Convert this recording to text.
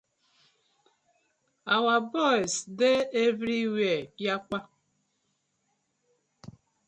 Our boyz dey everywhere yakpa.